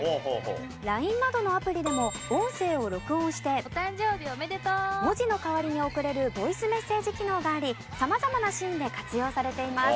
ＬＩＮＥなどのアプリでも音声を録音して文字の代わりに送れるボイスメッセージ機能があり様々なシーンで活用されています。